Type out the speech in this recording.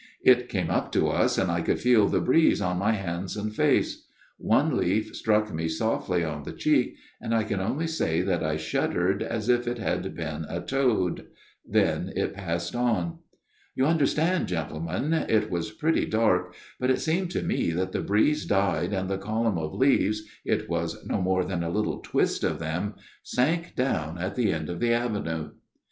It came up to us, and I could feel the breeze on my hands and face. One leaf struck me softly on the cheek, and I can only say 17 (aooo) ,5250 A MIRROR OF SHALOTT that I shuddered as if it had been a toad. Then it passed on. " You understand, gentlemen, it was pretty dark ; but it seemed to me that the breeze died and the column of leaves it was no more than a little twist of them sank down at the end of the avenue.